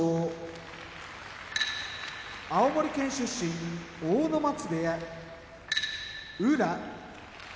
青森県出身阿武松部屋宇良